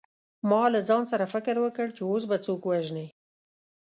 ما له ځان سره فکر وکړ چې اوس به څوک وژنې